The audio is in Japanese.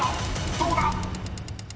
［どうだ⁉］